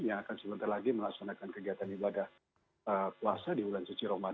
yang akan sebentar lagi melaksanakan kegiatan ibadah puasa di bulan suci ramadan